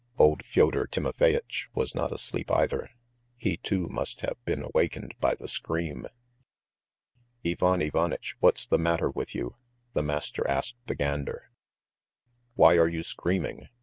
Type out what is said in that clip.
Old Fyodor Timofeyitch was not asleep either. He, too, must have been awakened by the scream. "Ivan Ivanitch, what's the matter with you?" the master asked the gander. "Why are you screaming?